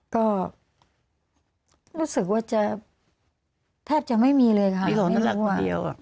ก็รู้สึกว่าจะแทบจะไม่มีเลยค่ะ